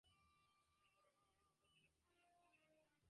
এরপর মনে মনে শপথ নিলাম কখনো আর এসবে জড়াবো না।